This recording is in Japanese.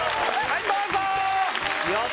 はいどうぞ！